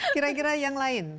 kira kira yang lain